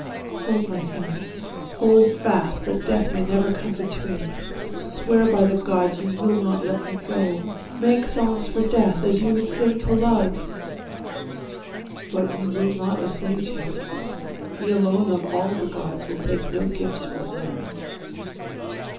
Hold my hands, Hold fast that Death may never come between; Swear by the gods you will not let me go; Make songs for Death as you would sing to Love But you will not assuage him. He alone Of all the gods will take no gifts from men.